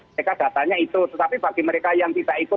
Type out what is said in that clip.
mereka datanya itu tetapi bagi mereka yang tidak ikut